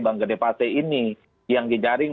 bang gede pate ini yang di jaring